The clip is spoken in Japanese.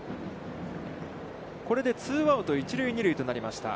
これでツーアウト、一塁二塁となりました。